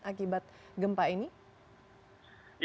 akibat gempa ini